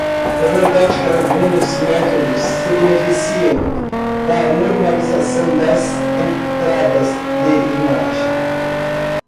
É verdade que alguns métodos se beneficiam da normalização das entradas de imagem.